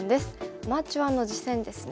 アマチュアの実戦ですね。